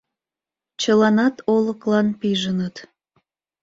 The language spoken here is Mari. Чыланат олыклан пижыныт...